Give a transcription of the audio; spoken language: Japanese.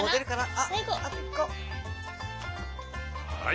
はい！